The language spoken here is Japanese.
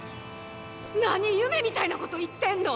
何夢みたいなこと言ってんの！